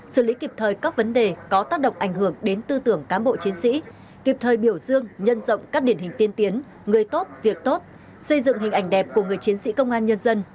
xử lý kịp thời các vấn đề có tác động ảnh hưởng đến tư tưởng cán bộ chiến sĩ kịp thời biểu dương nhân rộng các điển hình tiên tiến người tốt việc tốt xây dựng hình ảnh đẹp của người chiến sĩ công an nhân dân